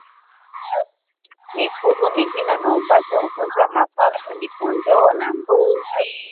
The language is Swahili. Mifugo mingine wanaopata ugonjwa wa mapafu ni ngombe kndoo na mbuzi